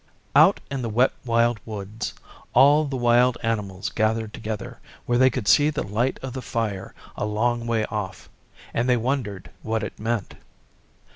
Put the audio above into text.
Out in the Wet Wild Woods all the wild animals gathered together where they could see the light of the fire a long way off, and they wondered what it meant.